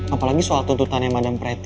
apalagi soal tuntutannya madam preppy ya